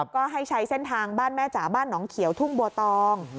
ก็ให้ใช้เส้นทางบ้านแม่จ๋าบ้านหนองเขียวทุ่งบัวตอง